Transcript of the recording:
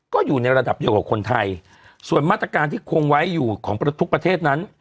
ก็อยู่ในระดับเดียวกับคนไทยส่วนมาตรการที่คงไว้อยู่ของทุกประเทศนั้น